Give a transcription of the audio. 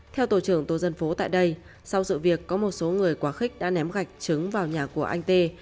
theo tổ trưởng tổ dân phố tại đây sau sự việc có một số người quá khích đã ném gạch trứng vào nhà của anh t v t